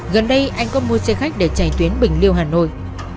gần đây anh có mua xe khách để chạy tuyến bình liêu hà nội